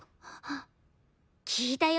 聞いたよ。